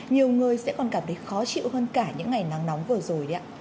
nhiều người sẽ còn cảm thấy khó chịu hơn cả những ngày nắng nóng vừa rồi ạ